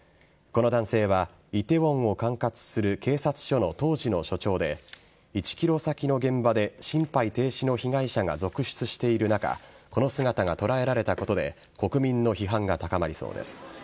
この男性は、イテウォンを管轄する警察署の当時の署長で、１キロ先の現場で心肺停止の被害者が続出している中、この姿が捉えられたことで、国民の批判が高まりそうです。